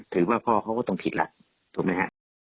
ถือว่าพ่อเขาก็ต้องผิดล่ะถูกไหมฮะ